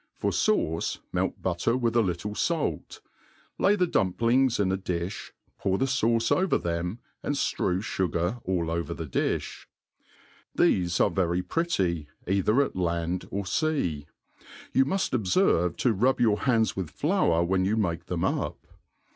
For fauce, melt butter 'with a Ifttle fait, lay the dumplitigs in a difh, pour the fauce oveT them, and ftrew fugar all over the dtA. \"^. Thefe are very projtty, either at land or fea. You muft obr ferve to rub your hands with flour when you make them up.